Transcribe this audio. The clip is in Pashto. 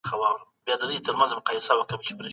پوهان به په راتلونکي کي نورې څیړنې وکړي.